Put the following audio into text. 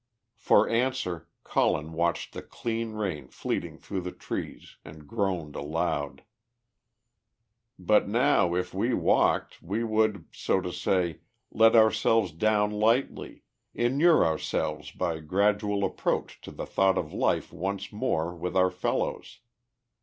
For answer Colin watched the clean rain fleeting through the trees, and groaned aloud. "But now if we walked, we would, so to say, let ourselves down lightly, inure ourselves by gradual approach to the thought of life once more with our fellows.